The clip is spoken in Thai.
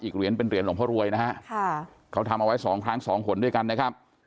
เหรียญเป็นเหรียญหลวงพ่อรวยนะฮะค่ะเขาทำเอาไว้สองครั้งสองหนด้วยกันนะครับ